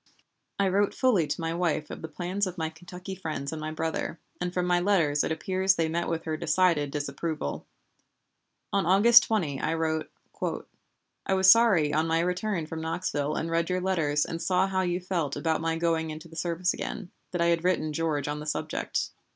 I wrote fully to my wife of the plans of my Kentucky friends and my brother, and from my letters it appears they met with her decided disapproval. On August 20 I wrote: "I was sorry on my return from Knoxville and read your letters and saw how you felt about my going into the service again, that I had written George on the subject."